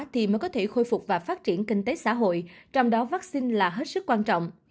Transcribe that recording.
thì mới có thể khôi phục và phát triển kinh tế xã hội trong đó vaccine là hết sức quan trọng